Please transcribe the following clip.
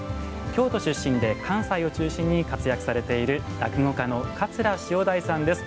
京都出身で関西を中心に活躍されている落語家の桂塩鯛さんです。